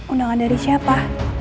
undangan dari siapa